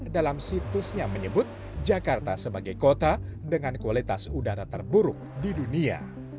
dalam situsnya menyebut jakarta sebagai kota dengan kualitas udara terburuk di dunia